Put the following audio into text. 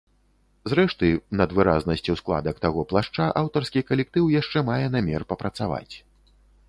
Зрэшты, над выразнасцю складак таго плашча аўтарскі калектыў яшчэ мае намер папрацаваць.